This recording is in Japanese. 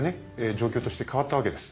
状況として変わったわけです。